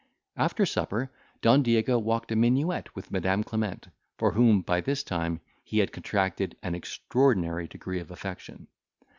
After supper Don Diego walked a minuet with Madam Clement; for whom, by this time, he had contracted an extraordinary degree of affection.